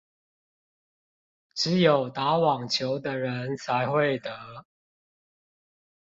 只有打網球的人才會得